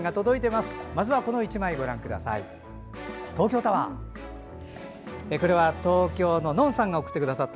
まずはこの１枚をご覧ください。